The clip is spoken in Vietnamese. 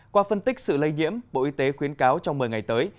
qua phân tích sự lây nhiễm bộ y tế khuyến cáo trong một mươi ngày tới